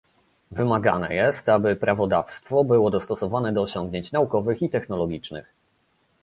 Wymagane jest, aby prawodawstwo było dostosowane do osiągnięć naukowych i technologicznych